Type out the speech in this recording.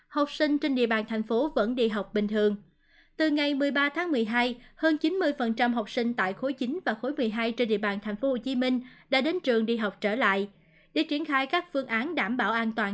học sinh trên địa bàn tp hcm vẫn ghi nhận